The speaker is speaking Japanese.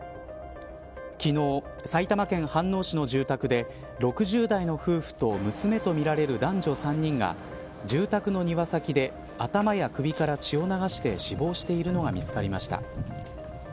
昨日、埼玉県飯能市の住宅で６０代の夫婦と娘とみられる男女３人が住宅の庭先で頭や首から血を流して死亡しているのが見つかりました。